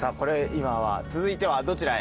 今は続いてはどちらへ。